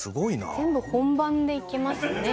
全部本番でいけますね。